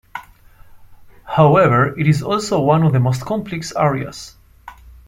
However, it is also one of the most complex areas.